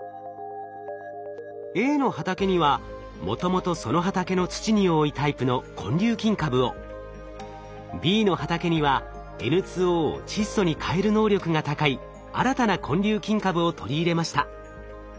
Ａの畑にはもともとその畑の土に多いタイプの根粒菌株をＢの畑にはＮＯを窒素に変える能力が高い新たな根粒菌株を取り入れました。